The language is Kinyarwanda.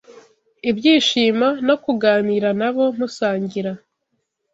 ibyishimo no kuganira n’abo musangira